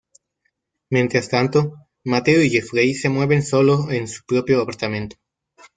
Mientras tanto, Mateo y Jeffrey se mueven sólo en su propio apartamento.